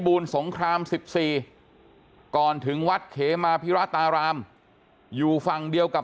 ูลสงคราม๑๔ก่อนถึงวัดเขมาพิราตารามอยู่ฝั่งเดียวกับ